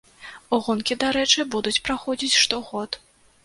Гонкі, дарэчы, будуць праходзіць штогод.